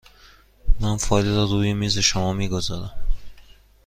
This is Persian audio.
من فایل را روی میز شما می گذارم.